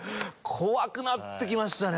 怖くなって来ましたね。